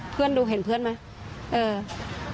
เพื่อนดูเห็นเพื่อนไหม